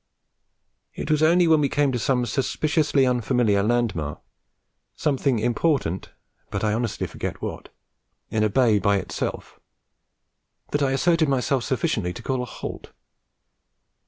It was only when we came to some suspiciously unfamiliar landmark, something important (but I honestly forget what) in a bay by itself, that I asserted myself sufficiently to call a halt.